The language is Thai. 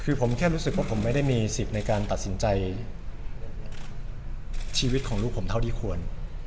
คือผมแค่รู้สึกว่าผมไม่ได้มีสิทธิ์ในการตัดสินใจชีวิตของลูกผมเท่าที่ควร